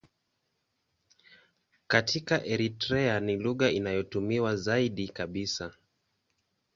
Katika Eritrea ni lugha inayotumiwa zaidi kabisa.